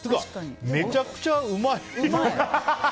めちゃくちゃうまい！